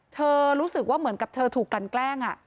รู้สึกว่าเหมือนกับเธอถูกกันแกล้ง